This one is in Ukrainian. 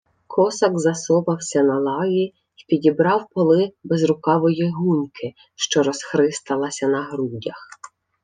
Косак засовався на лаві й підібрав поли безрукавої гуньки, що розхристалася на грудях.